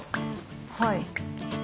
はい。